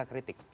jadi kita kritik